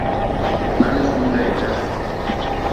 Ana shunday-da?